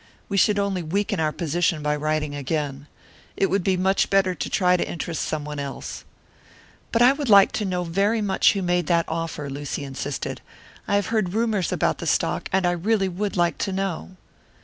We should only weaken our position by writing again. It would be much better to try to interest someone else." "But I would like to know very much who made that offer," Lucy insisted. "I have heard rumours about the stock, and I really would like to know."